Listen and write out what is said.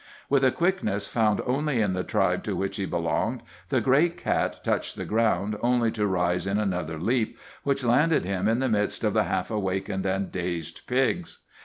With a quickness found only in the tribe to which he belonged, the great cat touched the ground only to rise in another leap which landed him in the midst of the half awakened and dazed pigs.